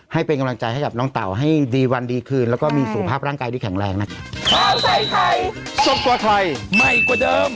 ให้เป็นกำลังใจให้กับน้องเต๋าให้ดีวันดีคืนแล้วก็มีสุขภาพร่างกายที่แข็งแรงนะครับ